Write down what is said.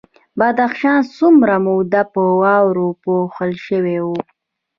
بدخشان څومره موده په واورو پوښل شوی وي؟